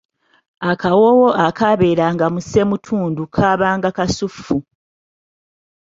Akawoowo akaabeeranga mu ssemutundu kaabanga kasuffu.